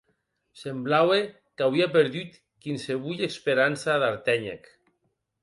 Semblaue qu’auie perdut quinsevolh esperança d’artenhè’c.